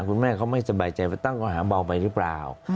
คุณแม่เขาไม่สบายใจไปตั้งข้อหาเบาไปหรือเปล่า